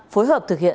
phối hợp thực hiện